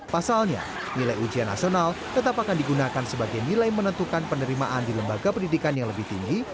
pasalnya nilai ujian nasional tetap akan digunakan sebagai nilai menentukan penerimaan di lembaga pendidikan yang lebih tinggi